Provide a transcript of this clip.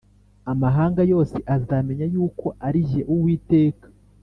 Amahanga yose azamenya yuko ari jye Uwiteka